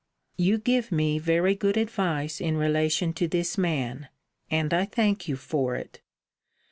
You give me very good advice in relation to this man; and I thank you for it.